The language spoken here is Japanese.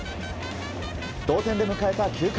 同点で迎えた９回。